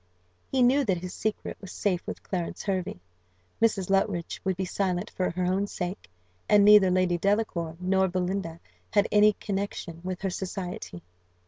He knew that his secret was safe with Clarence Hervey: Mrs. Luttridge would be silent for her own sake; and neither Lady Delacour nor Belinda had any connexion with her society.